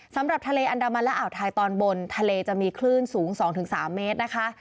สำหรับทะเลอันดามันและอ่าวไทยตอนบนทะเลจะมีคลื่นสูง๒๓เมตรนะคะ